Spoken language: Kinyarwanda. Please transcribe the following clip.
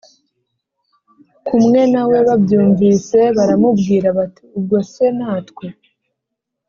kumwe na we babyumvise baramubwira bati ubwo se natwe